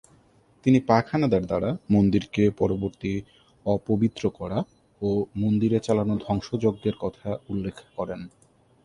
তিনি পাক হানাদার দ্বারা মন্দিরকে পরবর্তী অপবিত্র করা ও মন্দিরে চালানো ধ্বংসযজ্ঞের কথা উল্লেখ করেন।